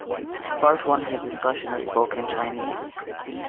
Part One has discussion of spoken Chinese.